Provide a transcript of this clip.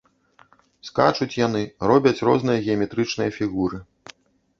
Скачуць яны, робяць розныя геаметрычныя фігуры.